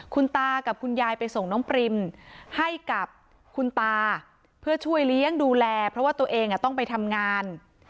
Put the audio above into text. คุณตากับคุณยายไปส่งน้องปริมให้กับคุณตาเพื่อช่วยเลี้ยงดูแลเพราะว่าตัวเองต้องไปทำงาน